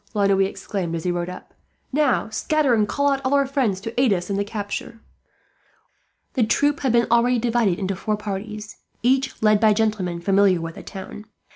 La Noue exclaimed, as he rode up. "Now, scatter and call out all our friends to aid us in the capture." The troop had been already divided into four parties, each led by gentlemen familiar with the town.